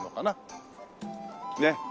ねっ。